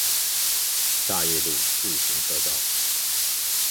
大業路自行車道